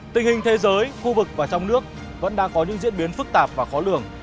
tình hình thế giới khu vực và trong nước vẫn đang có những diễn biến phức tạp và khó lường